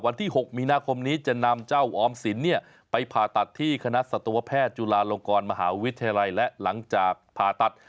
วันที่๖มีนาคมนี้จะนำเจ้าออมสินเนี่ยไปผ่าตัดที่คณะสัตวแพทย์จุฬาลงกรมหาวิทยาลัยและหลังจากผ่าตัด